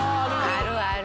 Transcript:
あるある。